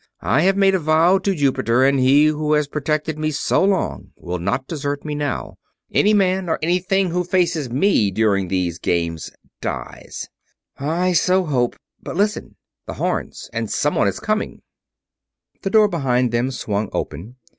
I have made a vow to Jupiter, and he who has protected me so long will not desert me now. Any man or any thing who faces me during these games, dies." "I hope so, sin ... but listen! The horns ... and someone is coming!" The door behind them swung open.